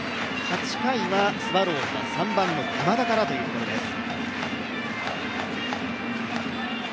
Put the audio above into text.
８回はスワローズは３番の山田からというところです。